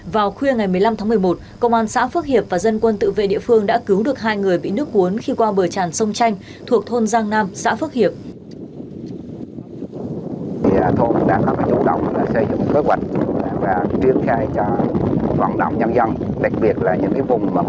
vào khuya ngày một mươi năm tháng một mươi một công an xã phước hiệp và dân quân tự vệ địa phương đã cứu được hai người bị nước cuốn khi qua bờ tràn sông tranh thuộc thôn giang nam xã phước hiệp